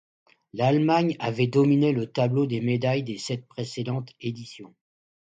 L'Allemagne avait dominé le tableau des médailles des sept précédentes éditions.